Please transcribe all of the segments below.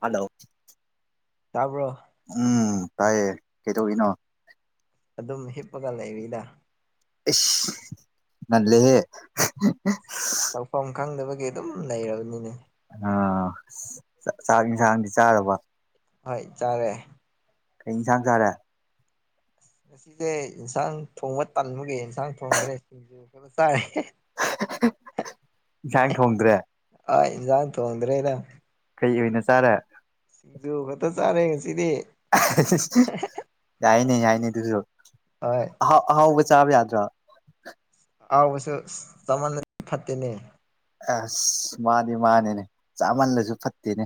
Hello ꯇꯥꯕ꯭ꯔꯣ ꯑꯝ ꯇꯥꯏꯌꯦ ꯀꯩꯇꯧꯔꯤꯅꯣ ꯑꯗꯨꯝ ꯍꯤꯞꯄꯒ ꯂꯩꯔꯤꯗ ꯏꯁ ꯅꯜꯂꯤꯍꯦ ꯐꯣꯝ ꯈꯪꯗꯕꯒꯤ ꯑꯗꯨꯝ ꯂꯩꯔꯕꯅꯤꯅꯦ ꯑꯥ ꯆꯥꯛ ꯏꯟꯖꯥꯡꯗꯤ ꯆꯥꯔꯕ ꯍꯣꯏ ꯆꯥꯔꯦ ꯀꯩ ꯏꯟꯖꯥꯡ ꯆꯥꯔꯦ ꯉꯁꯤꯁꯦ ꯏꯟꯁꯥꯡ ꯊꯣꯡꯕ ꯇꯟꯃꯒꯤ ꯏꯟꯁꯥꯡ ꯊꯣꯡꯗ꯭ꯔꯦ ꯁꯤꯡꯖꯨ ꯈꯔ ꯆꯥꯏ ꯏꯟꯁꯥꯡ ꯊꯣꯡꯗ꯭ꯔꯦ ꯍꯣꯏ ꯏꯖꯥꯡ ꯊꯣꯡꯗ꯭ꯔꯦꯗ ꯀꯩ ꯑꯣꯏꯅ ꯆꯥꯔ ꯁꯤꯡꯖꯨ ꯈꯛꯇ ꯆꯥꯔꯦ ꯉꯁꯤꯗꯤ ꯌꯥꯏꯅꯦ ꯌꯥꯏꯅꯦ ꯑꯗꯨꯁꯨ ꯍꯣꯏ ꯑꯍꯥꯎ ꯑꯍꯥꯎꯕ ꯆꯥꯕ ꯌꯥꯗ꯭ꯔꯣ ꯑꯍꯥꯎꯕꯁꯨ ꯆꯃꯜꯂꯗꯤ ꯐꯠꯇꯦꯅꯦ ꯑꯁ ꯃꯥꯅꯤ ꯃꯥꯅꯤꯅꯦ ꯆꯥꯃꯜꯂꯁꯨ ꯐꯠꯇꯦꯅꯦ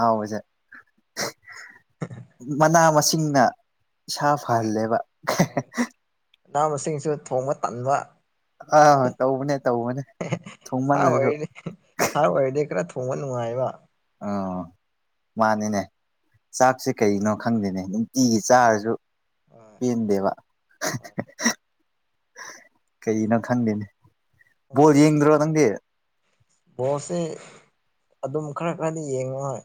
ꯍꯣꯏ ꯃꯅꯥ ꯃꯁꯤꯡꯅ ꯁꯥ ꯍꯣꯏ ꯐꯍꯜꯂꯦꯕ ꯍꯣꯏ ꯃꯅꯥ ꯃꯁꯤꯡꯁꯨ ꯊꯣꯡꯕ ꯇꯟꯕ ꯑꯥ ꯇꯧꯕꯅꯦ ꯇꯧꯕꯅꯦ ꯁꯥ ꯊꯨꯝꯃꯜꯂꯁꯨ ꯑꯣꯏꯔꯗꯤ ꯁꯥ ꯑꯣꯏꯔꯗꯤ ꯈꯔ ꯊꯣꯡꯕ ꯅꯨꯡꯉꯥꯏꯕ ꯑꯥ ꯃꯥꯅꯤꯅꯦ ꯆꯥꯛꯁꯦ ꯀꯩꯅꯣ ꯈꯪꯗꯦꯅꯦ ꯅꯨꯡꯇꯤꯒꯤ ꯆꯥꯔꯁꯨ ꯍꯣꯏ ꯄꯦꯟꯗꯦꯕ ꯍꯣꯏ ꯀꯩꯒꯅꯣ ꯈꯪꯗꯦꯅꯦ ꯄꯣꯜ ꯅꯪꯗꯤ ꯌꯦꯡꯗ꯭ꯔꯣ ꯅꯪꯗꯤ ꯕꯣꯜꯁꯦ ꯑꯗꯨꯝ ꯈꯔ ꯈꯔꯗꯤ ꯌꯦꯡꯉꯍꯣꯏ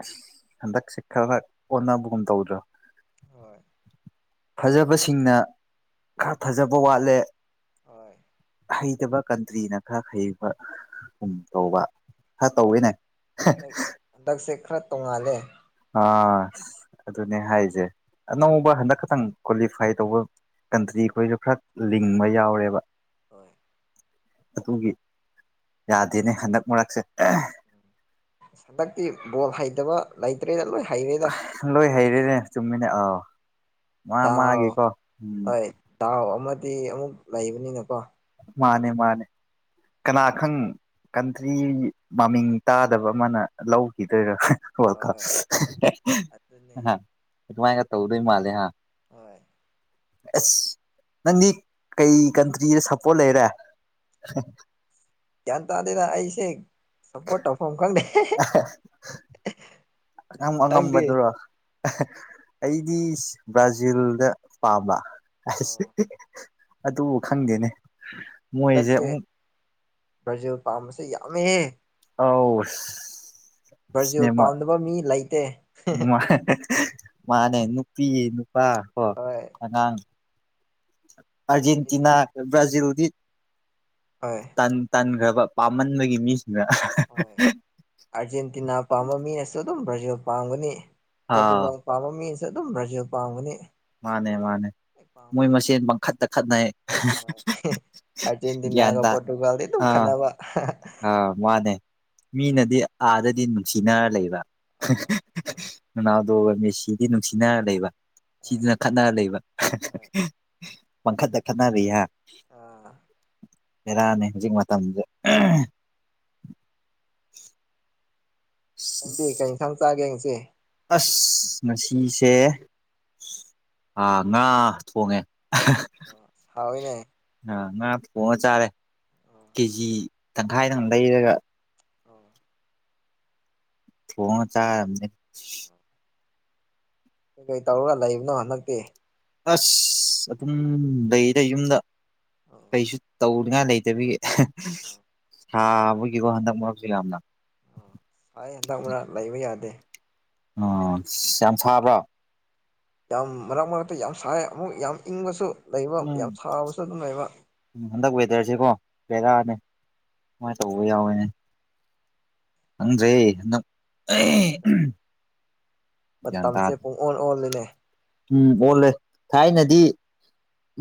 ꯑꯁ ꯍꯟꯗꯛꯁꯦ ꯈꯔ ꯑꯣꯟꯅꯕꯒꯨꯝ ꯇꯧꯗ꯭ꯔꯣ ꯍꯣꯏ ꯐꯖꯕꯁꯤꯡꯅ ꯈꯔ ꯐꯖꯕ ꯋꯥꯠꯂꯦ ꯍꯣꯏ ꯍꯩꯇꯕ ꯀꯟꯇ꯭ꯔꯤꯅ ꯈꯔ ꯍꯩꯕꯒꯨꯝ ꯇꯧꯕ ꯈꯔ ꯍꯣꯏ ꯇꯧꯋꯦꯅꯦ ꯍꯣꯏ ꯍꯟꯗꯛꯁꯦ ꯈꯔ ꯇꯣꯡꯉꯥꯜꯂꯦ ꯑ ꯑꯗꯨꯅꯦ ꯍꯥꯏꯁꯦ ꯑꯅꯧꯕ ꯍꯟꯗꯛ ꯈꯛꯇꯪ ꯀ꯭ꯋꯥꯂꯤꯐꯥꯏ ꯇꯧꯕ ꯀꯟꯇ꯭ꯔꯤꯈꯣꯏꯗꯣ ꯈ꯭ꯔ ꯂꯤꯡꯕ ꯌꯥꯎꯔꯦꯕ ꯍꯣꯏ ꯑꯗꯨꯒꯤ ꯌꯥꯗꯦꯅꯦ ꯍꯟꯗꯛ ꯃꯔꯛꯁꯦ ꯎꯝ ꯍꯟꯗꯛꯇꯤ ꯕꯣꯜ ꯍꯩꯇꯕ ꯂꯩꯇ꯭ꯔꯦꯗ ꯂꯣꯏ ꯍꯩꯔꯦꯗ ꯂꯣꯏ ꯍꯩꯔꯦꯅꯦ ꯆꯨꯝꯃꯤꯅꯦ ꯑꯥꯎ ꯃꯥ ꯗꯥꯎ ꯃꯥꯒꯤꯀꯣ ꯎꯝ ꯍꯣꯏ ꯗꯥꯎ ꯑꯃꯗꯤ ꯑꯃꯨꯛ ꯂꯩꯕꯅꯤꯅꯀꯣ ꯃꯥꯅꯦ ꯃꯥꯅꯦ ꯀꯅꯥ ꯈꯪ ꯀꯟꯇ꯭ꯔꯤ ꯃꯃꯤꯡ ꯇꯥꯗꯕ ꯑꯃꯅ ꯂꯧꯈꯤꯗꯣꯏꯔ ꯋꯜꯀꯞ ꯍꯣꯏ ꯑꯗꯨꯅꯦ ꯑꯗꯨꯃꯥꯏꯅꯒ ꯇꯧꯗꯣꯏ ꯃꯥꯜꯂꯦ ꯍꯥ ꯍꯣꯏ ꯑꯁ ꯅꯪꯗꯤ ꯀꯩ ꯀꯟꯇ꯭ꯔꯤꯗ ꯁꯞꯄꯣꯔꯠ ꯂꯩꯔꯦ ꯌꯥꯟ ꯇꯥꯥꯗꯤꯗ ꯑꯩꯁꯦ ꯁꯞꯄꯣꯔꯠ ꯇꯧꯐꯝ ꯈꯪꯗꯦ ꯌꯥꯝ ꯅꯪꯗꯤ ꯑꯉꯝꯕꯗꯨꯔꯣ ꯑꯩꯗꯤ ꯕ꯭ꯔꯥꯖꯤꯜꯗ ꯄꯥꯝꯕ ꯑꯣ ꯑꯗꯨ ꯈꯪꯗꯦꯅꯦ ꯃꯣꯏꯁꯦ ꯍꯟꯗꯛꯁꯦ ꯑꯃꯨꯛ ꯕ꯭ꯔꯥꯖꯤꯜ ꯄꯥꯝꯕꯁꯦ ꯌꯥꯝꯃꯦꯍꯦ ꯑꯧ ꯕ꯭ꯔꯥꯖꯤꯜ ꯁꯤꯅꯦꯃꯥ ꯄꯥꯝꯗꯥꯕ ꯃꯤ ꯂꯩꯇꯦ ꯃꯥꯅꯦ ꯅꯨꯄꯤ ꯅꯨꯄꯥ ꯀꯣ ꯍꯣꯏ ꯑꯉꯥꯡ ꯑꯔꯖꯦꯟꯇꯤꯅꯥ ꯕ꯭ꯔꯥꯖꯤꯜꯗꯤ ꯍꯣꯏ ꯇꯟꯈ꯭ꯔꯕ ꯄꯥꯝꯃꯟꯕꯒꯤ ꯃꯤꯁꯤꯡꯅ ꯍꯣꯏ ꯑꯥꯔꯖꯦꯟꯇꯤꯅꯥ ꯄꯥꯝꯕ ꯃꯤꯅꯁꯨ ꯑꯗꯨꯝ ꯕ꯭ꯔꯥꯖꯤꯜ ꯄꯥꯝꯒꯅꯤ ꯑꯥ ꯄꯣꯔꯇꯨꯒꯥꯜ ꯄꯥꯝꯕ ꯃꯤꯅꯁꯨ ꯑꯗꯨꯝ ꯕ꯭ꯔꯖꯤꯜ ꯄꯥꯝꯒꯅꯤ ꯃꯥꯅꯦ ꯃꯥꯅꯦ ꯂꯣꯏ ꯃꯣꯏ ꯄꯥꯝꯕꯅꯦ ꯃꯁꯦꯟ ꯃꯪꯈꯠꯇ ꯈꯠꯅꯩ ꯍꯣꯏ ꯒ꯭ꯌꯥꯟ ꯑꯥꯔꯖꯦꯟꯇꯤꯅꯥꯒ ꯇꯥ ꯄꯣꯔꯇꯨꯒꯥꯜꯗꯤ ꯑꯗꯨꯝ ꯑꯥ ꯈꯟꯅꯅꯕ ꯑꯥ ꯃꯥꯅꯦ ꯃꯤꯅꯗꯤ ꯑꯥꯗꯗꯤ ꯅꯨꯡꯁꯤꯅꯔ ꯂꯩꯕ ꯍꯣꯏ ꯔꫭꯅꯥꯜꯗꯣ ꯃꯦꯁꯤꯗꯤ ꯅꯨꯡꯁꯤꯅꯔ ꯂꯩꯕ ꯍꯣꯏ ꯁꯤꯅ ꯈꯠꯅꯔ ꯂꯩꯕ ꯍꯣꯏ ꯄꯪꯈꯠꯇ ꯈꯠꯅꯔ ꯂꯩꯍꯥ ꯑꯥ ꯕꯦꯔꯥꯅꯤ ꯍꯧꯖꯤꯛ ꯃꯇꯝꯁꯦ ꯅꯪꯗꯤ ꯀꯩ ꯏꯟꯁꯥꯡ ꯆꯥꯒꯦ ꯉꯁꯤ ꯑꯁ ꯉꯁꯤꯁꯦ ꯑ ꯉꯥ ꯊꯣꯡꯉꯦ ꯍꯥꯎꯋꯤꯅꯦ ꯉꯥ ꯊꫭꯡꯉ ꯆꯥꯔꯦ ꯀꯦꯖꯤ ꯇꯪꯈꯥꯏꯗꯪ ꯂꯩꯔꯒ ꯑꯣ ꯊꫭꯡꯉꯥ ꯆꯔꯦ ꯀꯔꯤ ꯇꯧꯔꯒ ꯂꯩꯕꯅꯣ ꯍꯟꯗꯛꯇꯤ ꯑꯁ ꯑꯗꯨꯝ ꯂꯩꯗꯥ ꯌꯨꯝꯗ ꯀꯩꯁꯨ ꯇꯧꯅꯤꯡꯉꯥꯏ ꯂꯩꯇꯕꯤꯒꯤ ꯁꯥꯕꯒꯤꯀꯣ ꯍꯟꯗꯛ ꯃꯔꯛꯁꯨ ꯌꯥꯝꯅꯥꯛ ꯍꯟꯗꯛ ꯃꯔꯛ ꯂꯩꯕ ꯌꯥꯗꯦ ꯑꯣ ꯌꯥꯝ ꯁꯥꯕ꯭ꯔꯣ ꯌꯥꯝ ꯃꯔꯛ ꯃꯔꯛꯇ ꯌꯥꯝ ꯁꯥꯏ ꯑꯃꯨꯛ ꯌꯥꯝ ꯏꯪꯕꯁꯨ ꯂꯩꯕ ꯌꯥꯝ ꯁꯥꯕꯁꯨ ꯑꯗꯨꯝ ꯂꯩꯕ ꯎꯝ ꯍꯟꯗꯛ ꯋꯦꯗꯔꯁꯤꯀꯣ ꯍꯣꯏ ꯕꯦꯔꯥꯅꯤ ꯁꯨꯃꯥꯏꯅ ꯇꯧꯕ ꯌꯥꯎꯋꯦꯅꯦ ꯈꯪꯗ꯭ꯔꯦ ꯍꯟꯗꯛ ꯒ꯭ꯌꯥꯟ ꯃꯇꯝꯁꯦ ꯇꯥꯗ꯭ꯔꯦ ꯄꯨꯡ ꯑꯣꯟ ꯑꯣꯟꯂꯅꯦ ꯎꯝ ꯑꯣꯜꯂꯦ ꯊꯥꯏꯅꯗꯤ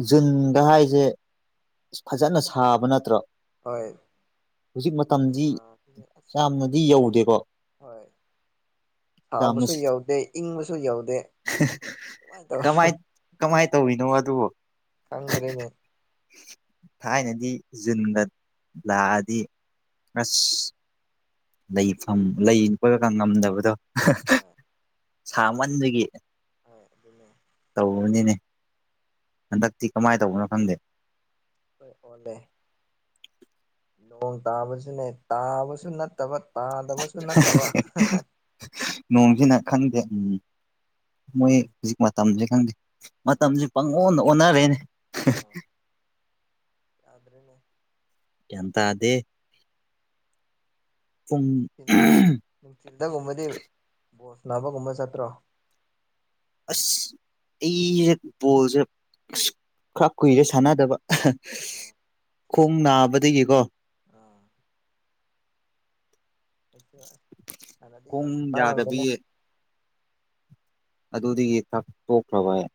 ꯖꯨꯟꯒ ꯍꯥꯏꯁꯦ ꯐꯖꯅ ꯁꯥꯕ ꯅꯠꯇ꯭ꯔꯣ ꯍꯣꯏ ꯍꯧꯖꯤꯛ ꯃꯇꯝꯗꯤ ꯅꯨꯡꯁꯥꯁꯦ ꯑꯁ ꯌꯥꯝꯅꯗꯤ ꯌꯧꯗꯦꯀꯣ ꯍꯣꯏ ꯌꯥꯝꯅ ꯁꯥꯕꯥꯁꯨ ꯌꯧꯗꯦ ꯏꯪꯕꯁꯨ ꯌꯧꯗꯦ ꯀꯃꯥꯏꯅ ꯀꯃꯥꯏꯅ ꯇꯧꯔꯤꯅꯣ ꯑꯗꯨꯕꯨ ꯈꯪꯗ꯭ꯔꯦꯅꯦ ꯊꯥꯏꯅꯗꯤ ꯖꯨꯟꯗ ꯂꯥꯛꯑꯗꯤ ꯑꯁ ꯂꯩꯐꯝ ꯂꯩ ꯈꯣꯠꯂꯀ ꯉꯝꯗꯕꯗꯣ ꯍꯣꯏ ꯁꯥꯃꯟꯕꯒꯤ ꯍ‌ꯣꯏ ꯑꯗꯨꯅꯦ ꯇꯧꯕꯅꯤꯅꯦ ꯍꯟꯗꯛꯇꯤ ꯀꯃꯥꯏꯟ ꯇꯧꯕꯅꯣ ꯈꯪꯗꯦ ꯍꯣꯏ ꯑꯣꯜꯂ‌ꯦ ꯅꯣꯡ ꯇꯥꯕꯁꯨꯅꯦ ꯇꯥꯕꯁꯨ ꯅꯠꯇꯕ ꯇꯥꯗꯕꯁꯨ ꯅꯠꯇꯕ ꯅꯣꯡꯁꯤꯅ ꯈꯪꯗꯦ ꯎꯝ ꯃꯣꯏ ꯍꯧꯖꯤꯛ ꯃꯇꯝꯁꯦ ꯈꯪꯗꯦ ꯃꯇꯝꯁꯦ ꯄꯪꯑꯣꯟꯗ ꯑꯣꯟꯅꯔꯦꯅꯦ ꯑꯥ ꯌꯥꯗ꯭ꯔꯦꯅꯦ ꯒ꯭ꯌꯥꯟ ꯇꯥꯗ‌ꯦ ꯄꯨꯡ ꯅꯨꯡꯊꯤꯟ ꯅꯨꯡꯊꯤꯜꯗꯒꯨꯝꯕꯗꯤ ꯕꯣꯜ ꯁꯥꯅꯥꯕꯒꯨꯝꯕ ꯆꯠꯇ꯭ꯔꯣ ꯑꯁ ꯑꯩꯁꯦ ꯕꯣꯜꯁꯦ ꯑꯁ ꯈꯔ ꯀꯨꯏꯔꯦ ꯁꯥꯟꯅꯗꯕ ꯈꯣꯡ ꯅꯥꯕꯗꯒꯤꯀꯣ ꯑꯥ ꯑꯩꯁꯨ ꯍꯥꯟꯅꯗꯤ ꯈꯣꯡ ꯌꯥꯝ [unintelligible] ꯌꯥꯗꯕꯒꯤ ꯃꯤꯅꯦ ꯑꯗꯨꯗꯒꯤ [unintelligible] ꯇꯣꯛꯈ꯭ꯔꯕ ꯑꯩ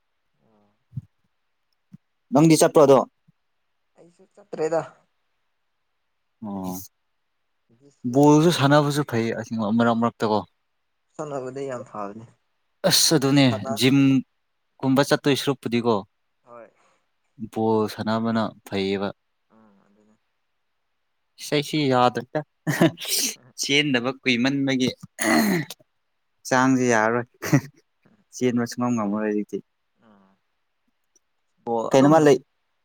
ꯅꯪꯗꯤ ꯆꯠꯄ꯭ꯔꯣ ꯑꯗꯣ ꯑꯩꯁꯨ ꯆꯠꯇ꯭ꯔꯦꯗ ꯑꯣ ꯗꯤꯁ ꯕꯣꯜꯁꯨ ꯌꯥꯔ ꯁꯥꯟꯅꯕꯁꯨ ꯐꯩ ꯑꯁꯤꯡꯕ ꯃꯔꯛ ꯃꯔꯛꯇꯀꯣ ꯆꯠꯂꯒꯗꯤ ꯌꯥꯝ ꯐꯒꯅꯤ ꯑꯁ ꯑꯗꯨꯅꯦ ꯖꯤꯝꯒꯨꯝꯕ ꯆꯠꯇꯣꯏ ꯁꯔꯨꯛꯄꯨꯗꯤꯀꯣ ꯍꯣꯏ ꯕꯣꯜ ꯁꯥꯟꯅꯕꯅ ꯐꯩꯌꯦꯕ ꯑꯥ ꯑꯗꯨꯅꯦ ꯏꯁꯩꯁꯤ ꯌꯥꯗ꯭ꯔ‌ꯦꯗ ꯆꯦꯟꯗꯕ ꯀꯨꯏꯃꯟꯕꯒꯤ ꯆꯥꯡꯁꯦ ꯌꯥꯔꯔꯣꯏ ꯆꯦꯟꯕ ꯁꯨꯡꯉꯝ ꯉꯝꯃꯔꯣꯏ ꯑꯩꯗꯤ ꯑꯥ ꯑꯣ ꯑꯗꯨꯝ ꯀꯩꯅꯣꯃ ꯂꯩ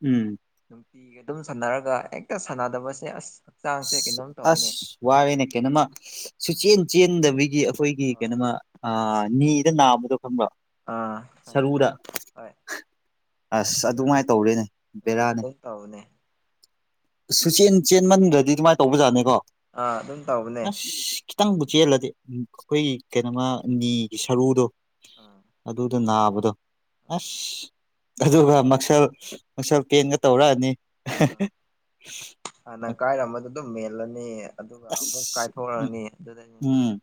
ꯎꯝ ꯅꯨꯡꯇꯤꯒꯤ ꯑꯗꯨꯝ ꯁꯥꯟꯅꯔꯒ ꯍꯦꯛꯇ ꯁꯥꯟꯅꯗꯕꯁꯦ ꯑꯁ ꯍꯛꯆꯥꯡꯁꯦ ꯀꯩꯅꯣꯝ ꯇꯧꯋꯤꯅꯦ ꯋꯥꯔꯦꯅ‌ꯦ ꯀꯩꯅꯣꯃ ꯁꯨꯆꯦꯟ ꯆꯦꯟꯗꯕꯒꯤ ꯑꯩꯈꯣꯏꯒꯤ ꯍꯣꯏ ꯀꯩꯅꯣꯃ ꯑ ꯅꯤꯗ ꯅꯥꯕꯗꯣ ꯈꯪꯕ꯭ꯔ‌ꯣ ꯑꯥ ꯈꯪꯉꯦ ꯁꯔꯨꯗ ꯍꯣꯏ ꯑꯁ ꯑꯗꯨꯃꯥꯏꯟ ꯇꯧꯔꯦꯅꯦ ꯎꯝ ꯕꯦꯔꯥꯅꯦ ꯑꯗꯨꯝ ꯇꯧꯕꯅꯦ ꯁꯨꯆꯦꯟ ꯆꯦꯟꯃꯟꯗ꯭ꯔꯗꯤ ꯑꯗꯨꯃꯥꯏꯅ ꯇꯧꯕꯖꯥꯠꯅꯤꯀꯣ ꯑꯥ ꯑꯗꯨꯝ ꯇꯧꯕꯅꯦ ꯑꯁ ꯈꯤꯇꯪꯕꯨ ꯆꯦꯜꯂꯗꯤ ꯑꯩꯈꯣꯏꯒꯤ ꯀꯩꯅꯣꯃ ꯅꯤꯒꯤ ꯁꯔꯨꯗꯣ ꯑꯥ ꯑꯗꯨꯗ ꯅꯥꯕꯗꯣ ꯍꯣꯏ ꯑꯁ ꯑꯗꯨꯒ ꯃꯁꯜ ꯃꯁꯜ ꯄꯦꯟꯒ ꯇꯧꯔꯛꯑꯅꯤ ꯑꯥ ꯍꯥꯟꯅ ꯀꯥꯏꯔꯝꯕꯗꯣ ꯑꯗꯨꯝ ꯃꯦꯜꯂꯅꯤ ꯑꯗꯨꯒ ꯑꯃꯨꯛ ꯑꯁ ꯎꯝ ꯀꯥꯏꯊꯣꯔꯛꯑꯅꯤ ꯑꯗꯨꯗꯒꯤꯅ ꯎꯝ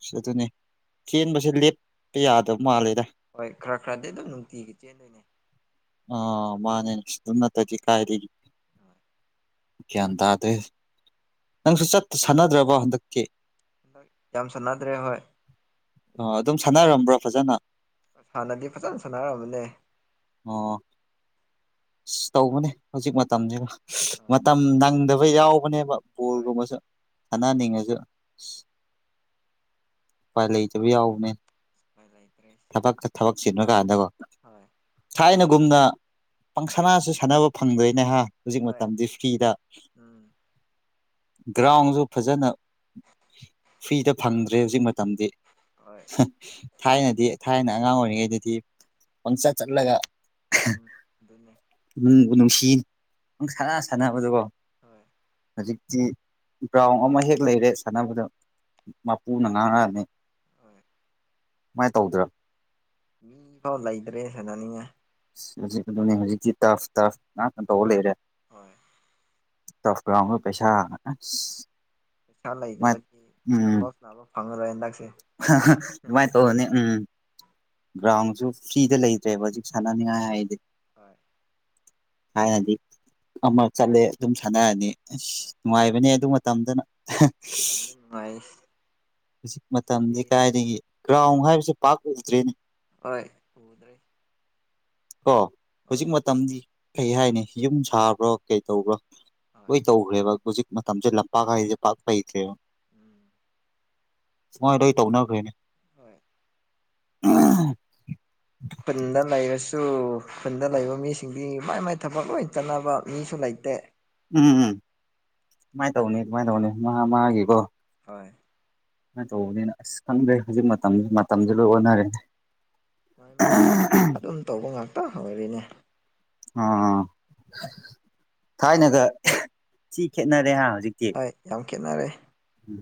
ꯑꯁ ꯑꯗꯨꯅꯦ ꯆ‌ꯦꯟꯕꯁꯦ ꯂꯦꯞꯄ ꯌꯥꯗꯕ ꯃꯥꯜꯂꯦꯗ ꯍꯣꯏ ꯈꯔ ꯈꯔꯗꯤ ꯑꯗꯨꯝ ꯅꯨꯡꯇꯤꯒꯤ ꯆꯦꯟꯗꯣꯏꯅꯦ ꯑ‌ꯣ ꯃꯥꯅꯦ ꯑꯗꯨ ꯅꯠꯇꯗꯤ ꯀꯥꯏꯗꯒꯤ [inaudible] ꯒ꯭ꯌꯥꯟ ꯇꯥꯗ꯭ꯔꯦ ꯅꯪꯁꯨ ꯆꯠ ꯁꯥꯟꯅꯗ꯭ꯔꯕ ꯍꯟꯗꯛꯇꯤ ꯍꯟꯗꯛ ꯌꯥꯝ ꯁꯥꯟꯅꯗ꯭ꯔꯦ ꯍꯣꯏ ꯑ ꯑꯗꯨꯝ ꯁꯥꯟꯅꯔꯝꯕ꯭ꯔꯣ ꯐꯖꯅ ꯍꯥꯟꯅꯗꯤ ꯐꯖꯅ ꯁꯥꯟꯅꯔꯝꯕꯅꯦ ꯑꯣ ꯑꯁ ꯇꯧꯕꯅꯦ ꯍꯧꯖꯤꯛ ꯃꯇꯝꯖꯤꯅ ꯍꯣꯏ ꯃꯇꯝ ꯅꯪꯗꯕ ꯌꯥꯎꯕꯅꯦꯕ ꯍꯣꯏ ꯕꯣꯜꯒꯨꯝꯕꯁꯨ ꯎꯝ ꯁꯥꯟꯅꯅꯤꯡꯉꯁꯨ ꯎꯄꯥꯏ ꯂꯩꯇꯕ ꯌꯥꯎꯕꯅꯦ ꯎꯄꯥꯏ ꯂꯩꯇ꯭ꯔꯦ ꯊꯕꯛꯇ ꯊꯕꯛ ꯆꯤꯜꯂ ꯀꯥꯟꯗꯒꯣ ꯍꯣꯏ ꯊꯥꯏꯅꯒꯨꯝꯅ ꯄꯪꯁꯅꯥꯁꯨ ꯁꯥꯟꯅꯕ ꯐꯪꯗ꯭ꯔꯦꯅꯦꯍꯥ ꯍꯧꯖꯤꯛ ꯍꯣꯏ ꯃꯇꯝꯗꯤ ꯐ꯭ꯔꯤꯗ ꯎꯝ ꯒ꯭ꯔꯥꯎꯟꯁꯨ ꯐꯖꯅ ꯐ꯭ꯔꯤꯗ ꯐꯪꯗ꯭ꯔꯦ ꯍꯧꯖꯤꯛ ꯃꯇꯝꯗꯤ ꯍꯣꯏ ꯊꯥꯏꯅꯗꯤ ꯊꯥꯏꯅ ꯑꯉꯥꯡ ꯑꯣꯏꯔꯤꯉꯩꯗꯗꯤ ꯄꯪꯆꯠ ꯆꯠꯂꯒ ꯎꯝ ꯑꯗꯨꯅꯦ ꯅꯨꯡꯕꯨ ꯅꯨꯡꯁꯤ ꯄꯪ ꯁꯥꯟꯅ ꯁꯥꯟꯅꯕꯗꯨꯀꯣ ꯍꯣꯏ ꯍꯧꯖꯤꯛꯇꯤ ꯒ꯭ꯔꯥꯎꯟ ꯑꯃ ꯍꯦꯛ ꯂꯩꯔꯦ ꯁꯥꯟꯅꯕꯗ ꯃꯄꯨꯅ ꯉꯥꯡꯉꯛꯑꯅꯤ ꯍꯣꯏ ꯀꯃꯥꯏꯅ ꯇꯧꯗꯔ ꯃꯤꯐꯥꯎ ꯂꯩꯇ꯭ꯔꯦ ꯁꯥꯟꯅꯅꯤꯡꯉꯥꯏ ꯍꯧꯖꯤꯛ ꯑꯗꯨꯅꯦ ꯍꯧꯖꯤꯛꯇꯤ ꯇꯥꯛꯁ ꯇꯥꯛꯁ ꯉꯥꯛꯇ ꯇꯧ ꯂꯩꯔꯦ ꯍꯣꯏ ꯇꯁ ꯒ꯭ꯔꯥꯎꯟꯗ ꯄꯩꯁꯥ ꯑꯁ ꯄꯩꯁꯥ ꯂꯩꯗꯕꯒꯤ ꯕꯣꯜ ꯄꯥꯛ ꯁꯥꯅꯕ ꯐꯪꯉꯔꯣꯏ ꯍꯟꯗꯛꯁꯨ ꯑꯗꯨꯃꯥꯏ ꯇꯧꯔꯅꯤ ꯎꯝ ꯒ꯭ꯔꯥꯎꯟꯁꯨ ꯐ꯭ꯔꯤꯗ ꯂꯩꯇ꯭ꯔꯦꯕ ꯍꯧꯖꯤꯛ ꯁꯥꯟꯅꯅꯤꯡꯉꯥꯏ ꯍꯥꯏꯗꯤ ꯍꯣꯏ ꯍꯥꯟꯅꯗꯤ ꯑꯃ ꯆꯠꯂꯦ ꯑꯗꯨꯝ ꯁꯥꯟꯅꯔꯅꯤ ꯑꯁ ꯅꯨꯡꯉꯥꯏꯕꯅꯦ ꯑꯗꯨ ꯃꯇꯝꯗꯅ ꯃꯇꯝꯗ ꯅꯨꯡꯉꯥꯏ ꯍꯧꯖꯤꯛꯇꯤ ꯃꯇꯝꯁꯦ ꯀꯥꯏꯗꯒꯤ ꯒ꯭ꯔꯥꯎꯟ ꯍꯥꯏꯕꯁꯦ ꯄꯥꯛ ꯎꯗ꯭ꯔꯦꯅꯤ ꯍꯣꯏ ꯀꯣ ꯍꯣꯏ ꯍꯧꯖꯤꯛ ꯃꯇꯝꯗꯤ ꯀꯩ ꯍꯥꯏꯅꯤ ꯌꯨꯝ ꯁꯥꯕ꯭ꯔꯥ ꯀꯩ ꯇꯧꯕ꯭ꯔꯥ ꯍꯣꯏ ꯂꯣꯏ ꯇꯧ ꯔꯦꯕ ꯍꯧꯖꯤꯛ ꯃꯇꯝꯁꯦ ꯂꯝꯄꯥꯛ ꯍꯥꯏꯁꯦ ꯄꯥꯛ ꯂꯩꯇ꯭ꯔꯦꯕ ꯎꯝ ꯁꯨꯃꯥꯏ ꯂꯣꯏ ꯇꯧꯅꯈ꯭ꯔꯦꯅꯦ ꯍꯣꯏ [unintelligible] ꯈꯨꯟꯗ ꯂꯩꯔꯁꯨ ꯈꯨꯟꯗ ꯂꯩꯕ ꯃꯤꯁꯤꯡꯗꯤ ꯃꯥꯏ ꯃꯥꯏ ꯊꯕꯛ ꯂꯣꯏ ꯆꯠꯅꯕ ꯃꯤꯁꯨ ꯂꯩꯇꯦ ꯎꯝ ꯁꯨꯃꯥꯏ ꯇꯧꯅꯤ ꯁꯨꯃꯥꯏ ꯇꯧꯅꯤ ꯃꯥ ꯃꯥꯒꯤꯕꯣ ꯍꯣꯏ ꯁꯨꯃꯥꯏꯅ ꯇꯧꯕꯅꯤꯅ ꯑꯁ ꯈꯪꯈ꯭ꯔꯦ ꯍꯧꯖꯤꯛ ꯃꯇꯝ ꯃꯇꯝꯖꯨ ꯂꯣꯏ ꯑꯣꯟꯅꯔꯦ ꯃꯥꯏ ꯃꯥꯏ ꯊꯤꯡꯗꯕ ꯑꯗꯨꯝ ꯇꯧꯕ ꯉꯥꯛꯇ ꯑꯣꯏꯔꯤꯅꯦ ꯑꯥ ꯊꯥꯏꯅꯒ ꯊꯤ ꯈꯦꯠꯅꯔꯦ ꯍꯧꯖꯤꯛꯇꯤ꯫ ꯍꯣꯏ ꯌꯥꯝ ꯈꯦꯠꯅꯔꯦ꯫ ꯎꯝ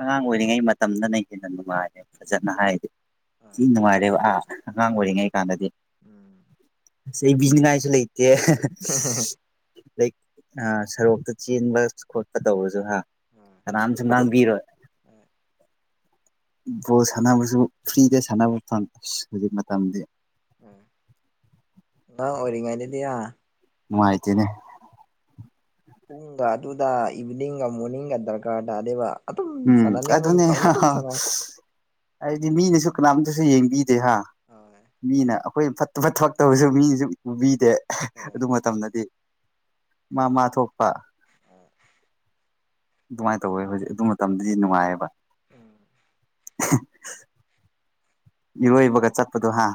ꯑꯉꯥꯡ ꯑꯣꯏꯔꯤꯉꯩ ꯃꯇꯝꯗꯅ ꯍꯦꯟꯅ ꯅꯨꯡꯉꯥꯏꯔꯦ ꯐꯖꯅ ꯍꯥꯏꯗꯤ꯫ ꯍꯣꯏ ꯊꯤ ꯅꯨꯡꯉꯥꯏꯔꯦꯕ ꯑꯥ ꯑꯉꯥꯡ ꯍꯣꯏ ꯑꯣꯏꯔꯤꯉꯩ ꯀꯥꯟꯗꯗꯤ꯫ ꯎꯝ ꯆꯩꯕꯤꯅꯤꯉꯥꯏꯁꯨ ꯂꯩ ꯏꯇꯦ꯫ ꯍ ꯍ ꯑꯗꯩ ꯑ ꯁꯔꯣꯛꯇ ꯆꯦꯟꯕ ꯈꯣꯠꯄ ꯇꯧꯔꯁꯨ ꯍꯥ ꯥꯀꯅꯥꯝꯁꯨ ꯉꯥꯡꯕꯤꯔꯣ꯫ ꯕꯣꯜ ꯁꯥꯟꯅꯕꯁꯨ ꯐ꯭ꯔꯤꯗ ꯁꯥꯟꯅꯕ ꯐꯪ ꯍꯧꯖꯤꯛ ꯃꯇꯝꯗꯤ꯫ ꯎꯝ ꯅꯍꯥ ꯑꯣꯏꯔꯤꯉꯩꯏꯗꯗꯤꯍꯥ ꯅꯨꯉꯥꯏꯇꯦꯅꯦ꯫ ꯄꯨꯡꯒ ꯑꯗꯨꯗ ꯏꯚꯤꯅꯤꯡꯒ ꯃꯣꯔꯅꯤꯡꯒ ꯗꯔꯀꯥꯔ ꯇꯥꯗꯦꯕ꯫ ꯑꯗꯨꯝ ꯎꯝ ꯁꯥꯟꯅꯅꯤꯡꯕ ꯑꯗꯨꯅꯦ ꯃꯇꯝꯧꯅ ꯑꯗꯨꯝ ꯁꯥꯟꯉ ꯍꯥꯏꯗꯤ ꯃꯤꯅꯁꯨ ꯀꯅꯥꯝꯇꯁꯨ ꯌꯦꯡꯕꯤꯗꯦ ꯍꯥꯥ ꯍꯣꯏ ꯃꯤꯅ꯫ ꯑꯩꯈꯣꯏ ꯐꯠꯇꯕ ꯊꯕꯛꯇꯕꯁꯨ ꯃꯤꯅꯁꯨꯨꯝ ꯎꯕꯤꯗꯦ ꯍꯣꯏ ꯑꯗꯨ ꯃꯇꯝꯗꯗꯤ꯫ ꯃꯥ ꯃꯥ ꯊꯣꯛꯄ꯫ ꯎꯝ꯫ ꯑꯗꯨꯃꯥꯏꯅ ꯇꯧꯋꯦ ꯍꯣꯏꯗꯤ ꯑꯗꯨ ꯃꯇꯝꯗꯗꯤ ꯅꯨꯡꯉꯥꯏꯑꯕ꯫ ꯎꯝ꯫ [unintelligible] ꯏꯔꯣꯏꯕꯒ ꯆꯠꯄꯗꯣ ꯍꯥ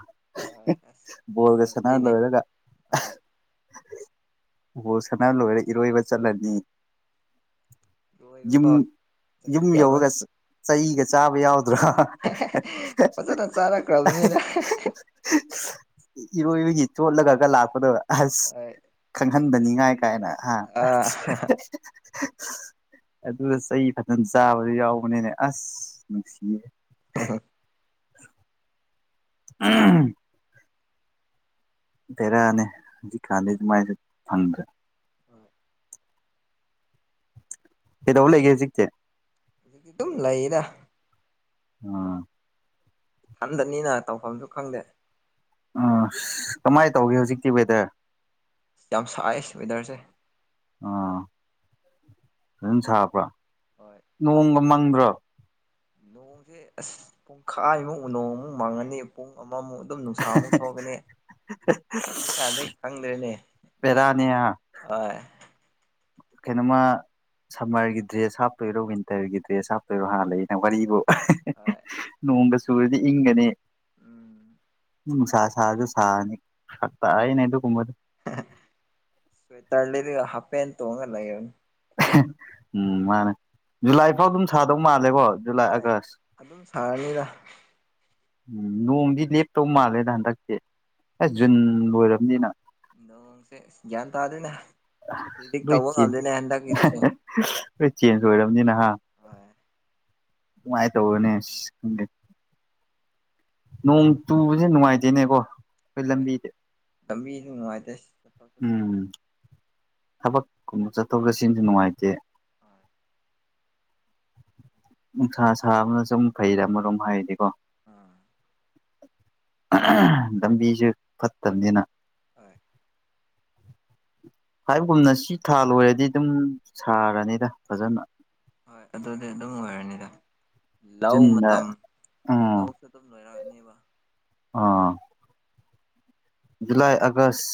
ꯍꯣꯏ ꯑꯁ ꯕꯣꯜꯒ ꯁꯥꯟꯅꯔ ꯅꯨꯡꯉꯥꯏꯕꯅꯤꯅꯦ ꯂꯣꯏꯔꯒ꯫ ꯍꯣꯏ ꯕꯣꯜ ꯁꯥꯟꯅ ꯂꯣꯏꯔ ꯏꯔꯣꯏꯕ ꯆꯠꯂꯅꯤ꯫ ꯂꯣꯏꯕ ꯌꯨꯝ ꯐꯥꯎ ꯌꯨꯝ ꯆꯍꯤ ꯑꯃ ꯌꯧꯔꯒꯁ ꯆꯩꯒ ꯆꯥꯕ ꯌꯥꯎꯗ꯭ꯔꯣ ꯐꯖꯅ ꯆꯥꯔꯛꯈ꯭ꯔꯕꯅꯤꯅ ꯏꯔꯣꯏꯕꯒꯤ ꯆꯣꯠꯂꯒꯒ ꯂꯥꯛꯄꯗꯣ ꯑꯁ ꯍꯣꯏ ꯈꯪꯍꯟꯗꯅꯤꯉꯥꯏ꯫ ꯀꯥꯏꯅ ꯍꯥ ꯑꯥ ꯑꯗꯨ ꯆꯩ ꯐꯖꯅ ꯆꯥꯕꯗ ꯌꯥꯎꯕꯅꯤꯅꯦ ꯑꯁ ꯅꯨꯡꯁꯤꯌꯦ꯫ ꯍ ꯍ꯫ ꯑꯍꯝ꯫ ꯕꯦꯔꯥ ꯅꯦ ꯍꯧꯖꯤꯛꯀꯥꯟꯗꯤ ꯑꯗꯨꯃꯥꯏꯁꯨ ꯐꯪꯗ꯭ꯔꯦ꯫ ꯀꯩꯗꯧ ꯂꯩꯒꯦ ꯖꯤꯛꯇꯤ꯫ ꯇꯨꯝ ꯂꯩꯌꯦꯗ꯫ ꯑꯥ꯫ ꯏꯊꯟꯗꯅꯤꯅ ꯇꯧꯐꯝꯁꯨ ꯈꯪꯗꯦ꯫ ꯑꯁ ꯀꯃꯥꯏ ꯇꯧꯒꯦ ꯍꯧꯖꯤꯛꯇꯤ ꯋꯦꯗꯔ꯫ ꯌꯥꯝ ꯁꯥꯏ ꯋꯦꯗꯔꯁꯦ꯫ ꯑꯥ [unintelligible] ꯁꯥꯕ꯭ꯔꯥ ꯍꯣꯏ ꯅꯣꯡꯒ ꯃꯪꯗ꯭ꯔꯣ꯫ ꯅꯣꯡꯁꯦ ꯑꯁ ꯄꯨꯡꯈꯥꯏꯃꯨꯛ ꯅꯣꯡꯃꯨꯛ ꯃꯪꯉꯅꯤ꯫ ꯄꯨꯡ ꯑꯃꯃꯨꯛ ꯑꯗꯨꯝ ꯅꯨꯡꯁꯥ ꯑꯃꯨꯛ ꯊꯣꯛꯑꯒꯅꯤ [unintelligible] ꯀꯥꯟꯗꯒꯤ ꯈꯪꯗ꯭ꯔꯦꯅꯦ꯫ ꯕꯦꯔꯥꯅꯤ ꯍꯥ꯫ ꯑꯣꯏ꯫ ꯀꯩꯅꯣꯃ꯫ ꯁꯝꯃꯔꯒꯤ ꯗ꯭ꯔꯦꯁ ꯍꯥꯞꯇꯣꯏꯔꯣ ꯋꯤꯟꯇꯔꯒꯤ ꯗ꯭ꯔꯦꯁ ꯍꯥꯞꯇꯣꯏꯔꯣ ꯍꯥꯟꯅ ꯂꯩꯏ ꯅ ꯋꯥꯔꯤꯕꯨ꯫ ꯍꯣꯏ꯫ ꯅꯣꯡꯒ ꯆꯨꯨꯔꯗꯤ ꯏꯪꯡꯒꯅꯤ꯫ ꯎꯝ ꯅꯨꯡꯁꯥ ꯁꯥꯔꯁꯨ ꯁꯥꯅꯤ ꯐꯔꯛ ꯇꯥꯢꯅꯦ ꯑꯗꯨ ꯀꯨꯝꯕꯗꯤ ꯁ꯭ꯋꯦꯇꯔ ꯔꯤꯠꯔꯒ ꯍꯥꯐꯦꯟ ꯇꯣꯟꯉꯒ ꯂꯩꯌꯣꯅꯦ꯫ ꯎꯝ ꯃꯥꯅꯦ ꯖꯨꯂꯥꯏ ꯐꯥꯎ ꯑꯗꯨꯝ ꯁꯥꯗꯧ ꯃꯥꯜꯂꯦꯀꯣ꯫ ꯖꯨꯂꯥꯏ ꯍꯣꯏ ꯑꯥꯒꯁ ꯑꯗꯨꯝ ꯁꯥꯔꯅꯤꯗ꯫ ꯎꯝ ꯅꯣꯡꯗꯤ ꯂꯦꯞꯇꯧ ꯃꯥꯜꯂꯦꯗ ꯍꯟꯗꯛꯇꯤ ꯑꯦꯁ ꯖꯨꯟ ꯂꯣꯏꯔꯝꯅꯤꯅ꯫ ꯅꯣꯡꯁꯦ ꯒ꯭ꯌꯥꯟ ꯇꯥꯗꯦꯅꯦ ꯔꯤꯗꯤꯛ ꯂꯣꯏ ꯇꯧꯕ ꯆꯦꯟ ꯉꯝꯗꯦꯅꯦ ꯍꯟꯗꯛꯀꯤꯁꯦ꯫ [unintelligible] ꯆꯦꯟꯖ ꯑꯣꯏꯔꯝꯅꯤꯅ ꯍꯥ ꯍꯣꯏ ꯅꯨꯡꯉꯥꯏ ꯇꯧꯕꯅꯦ ꯁꯤꯁ ꯈꯪꯗꯦ꯫ ꯅꯣꯡ ꯆꯨꯕꯁꯦ ꯅꯨꯡꯉꯥꯏꯇꯦꯅꯦꯀꯣ ꯈꯣꯏ ꯍꯣꯏ ꯂꯝꯕꯤꯁꯦ ꯂꯝꯕꯤꯁꯨ ꯅꯨꯡꯉꯥꯏꯇꯦ꯫ ꯎꯝ ꯊꯕꯛꯀꯨꯝꯕ ꯆꯠꯊꯣꯛ ꯆꯠꯁꯤꯟꯁꯨ ꯅꯨꯡꯉꯥꯏꯇꯦ꯫ ꯍꯣꯏ꯫ ꯅꯨꯡꯁꯥ ꯁꯥꯕꯅ ꯁꯨꯝ ꯐꯩꯗ ꯑꯃꯔꯣꯝ ꯍꯥꯏꯔꯗꯤꯀꯣ꯫ ꯑꯝ꯫ ꯂꯝꯕꯤꯖꯦ ꯐꯠꯇꯝꯅꯦꯅ꯫ ꯍꯣꯏ꯫ ꯍꯥꯏꯕꯒꯨꯝꯅ ꯁꯤ ꯊꯥ ꯂꯣꯏꯔꯗꯤ ꯑꯗꯨꯝ ꯁꯥꯔꯅꯤꯗ ꯐꯖꯅ꯫ ꯍꯣꯏ ꯑꯗꯨꯗꯤ ꯑꯗꯨꯝ ꯑꯣꯏꯔꯅꯤꯗ ꯂꯧ ꯖꯨꯟꯗ ꯃꯇꯝ ꯎꯝ ꯂꯧ ꯑꯗꯨꯝ ꯂꯣꯏꯔꯛꯑꯅꯦꯕ꯫ ꯑꯥ꯫ ꯖꯨꯂꯥꯏ ꯑꯒꯁ꯫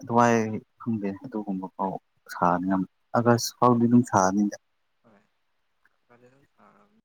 ꯑꯗꯨꯋꯥꯏ ꯈꯪꯗꯦ ꯑꯗꯨꯒꯨꯝꯕ ꯐꯥꯎ ꯁꯥꯔꯅꯤ ꯑꯥꯒꯁ ꯐꯥꯎꯗꯤ ꯑꯗꯨꯝ ꯁꯥꯔꯅꯤꯗ꯫ [inaudible]